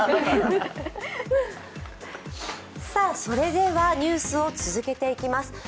それではニュースを続けていきます。